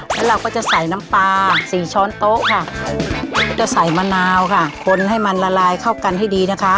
แล้วเราก็จะใส่น้ำปลาสี่ช้อนโต๊ะค่ะจะใส่มะนาวค่ะคนให้มันละลายเข้ากันให้ดีนะคะ